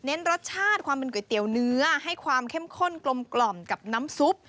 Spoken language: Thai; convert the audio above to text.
รสชาติความเป็นก๋วยเตี๋ยวเนื้อให้ความเข้มข้นกลมกับน้ำซุป